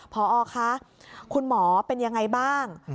พอคะคุณหมอเป็นยังไงบ้าง